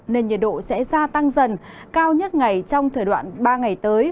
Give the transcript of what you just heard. nên nhiệt độ sẽ gia tăng dần cao nhất ngày trong thời đoạn ba ngày tới